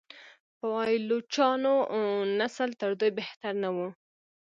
پایلوچانو نسل تر دوی بهتر نه و.